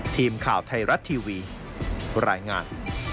ทีมข่าวไทยรัฐทีวีรายงาน